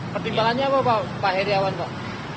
pertimbangannya apa pak heriawan pak